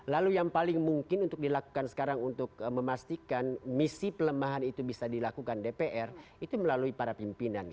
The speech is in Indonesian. lalu yang paling mungkin untuk dilakukan sekarang untuk memastikan misi pelemahan itu bisa dilakukan dpr itu melalui para pimpinan